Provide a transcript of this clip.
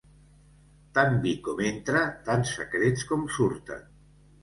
Tant vi com entra, tants secrets com surten.